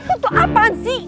untuk apaan sih